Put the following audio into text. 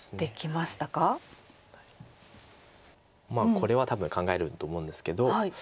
これは多分考えると思うんですけど。